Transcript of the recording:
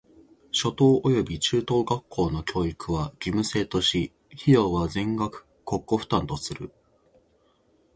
初等および中等学校の教育は義務制とし、費用は全額国庫負担とする。